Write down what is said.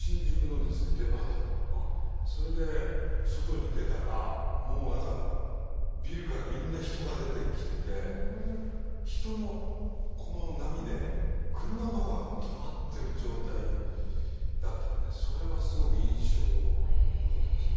それで外に出たらもう何かビルからみんな人が出てきてて人のこの波で車の方が止まってる状態だったんでそれはすごく印象に残ってますね。